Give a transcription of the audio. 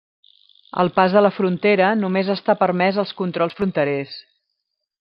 El pas de la frontera només està permès als controls fronterers.